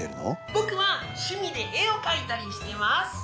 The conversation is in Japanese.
僕は趣味で絵を描いたりしてます。